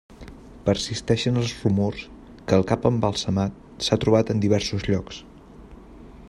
Persisteixen els rumors que el cap embalsamat s'ha trobat en diversos llocs.